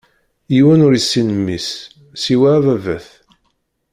Yiwen ur issin Mmi-s, siwa Ababat.